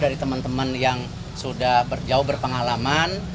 dari teman teman yang sudah jauh berpengalaman